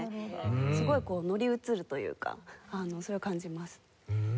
すごいこう乗り移るというかそれを感じます。